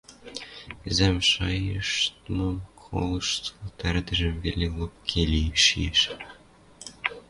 Ӹзӓм шайыштмым колышт-колышт, ӓрдӹжӹм веле лопке шиэш.